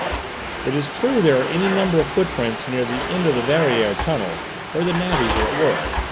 It is true there are any number of footprints near the end of the Verrières tunnel, where the navvies are at work.